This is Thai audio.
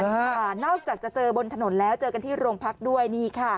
นอกจากจะเจอบนถนนแล้วเจอกันที่โรงพักด้วยนี่ค่ะ